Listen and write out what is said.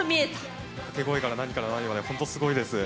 掛け声から何から何まですごいです。